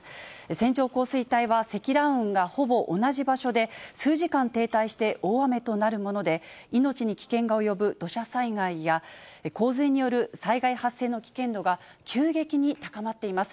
線状降水帯は、積乱雲がほぼ同じ場所で数時間停滞して大雨となるもので、命に危険が及ぶ土砂災害や、洪水による災害発生の危険度が急激に高まっています。